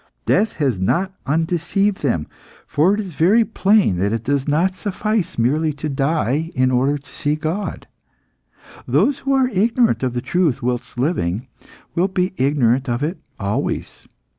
Death has not undeceived them; for it is very plain that it does not suffice merely to die in order to see God. Those who are ignorant of the truth whilst living, will be ignorant of it always.